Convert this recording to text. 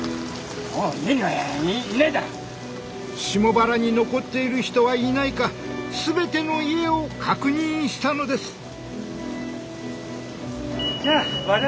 下原に残っている人はいないか全ての家を確認したのです。